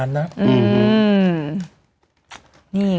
นี่ไง